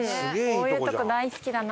こういうとこ大好きだな。